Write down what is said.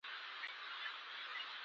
پکورې له پاک نیت سره جوړېږي